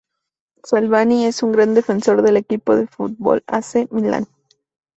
Salvini es un gran defensor del equipo de fútbol A. C. Milan.